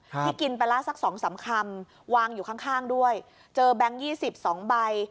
ที่กินไปละสัก๒๓คำวางอยู่ข้างด้วยเจอแบงค์๒๒ใบ